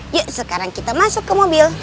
yuk sekarang kita masuk ke mobil